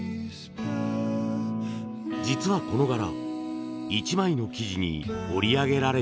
実はこの柄１枚の生地に織りあげられているんです。